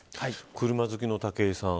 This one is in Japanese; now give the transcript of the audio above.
車好きの武井さん